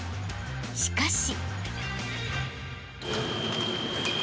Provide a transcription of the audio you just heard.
［しかし］